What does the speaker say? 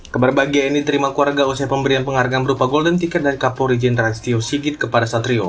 keberbahagiaan diterima keluarga usai pemberian penghargaan berupa golden ticket dan kapolri jenderalistio sigit kepada satrio